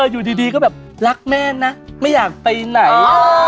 อยู่ดีก็แบบรักแม่นะไม่อยากไปไหน